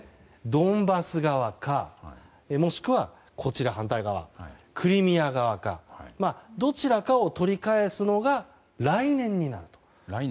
ドンバス側かもしくは反対側、クリミア側かどちらかを取り返すのが来年になる。